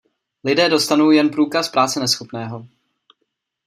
Lidé dostanou jen průkaz práce neschopného.